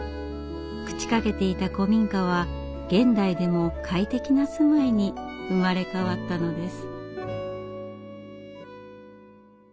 朽ちかけていた古民家は現代でも快適な住まいに生まれ変わったのです。